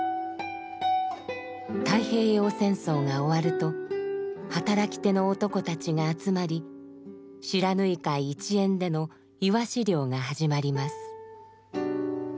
太平洋戦争が終わると働き手の男たちが集まり不知火海一円でのイワシ漁が始まります。